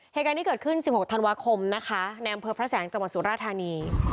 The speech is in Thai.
เหตุการณ์ที่เกิดขึ้น๑๖ธันวาคมนะคะในอำเภอพระแสงจังหวัดสุราธานี